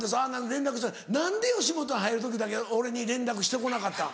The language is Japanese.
連絡してたのに何で吉本入る時だけ俺に連絡して来なかった？